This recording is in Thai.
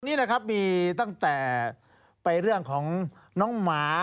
นี่นะครับมีตั้งแต่ไปเรื่องของน้องหมา